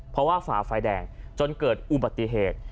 เพราะว่าฝ่าไฟแดงจนเกิดอุบัติเหตุ